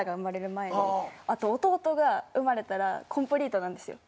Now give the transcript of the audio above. あと弟が生まれたらコンプリートなんですよ